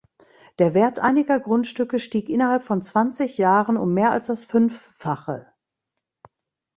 Der Wert einiger Grundstücke stieg innerhalb von zwanzig Jahren um mehr als das Fünffache.